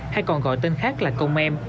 hay còn gọi tên khác là công em